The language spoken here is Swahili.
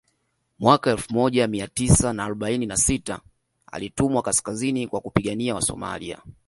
Mwaka elfu moja Mia tisa na arobaini na sita alitumwa kaskazini kwa kupigania Wasomalia